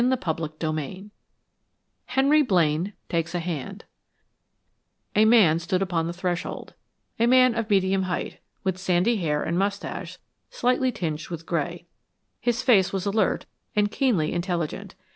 CHAPTER III HENRY BLAINE TAKES A HAND A man stood upon the threshold: a man of medium height, with sandy hair and mustache slightly tinged with gray. His face was alert and keenly intelligent.